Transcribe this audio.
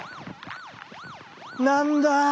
何だ。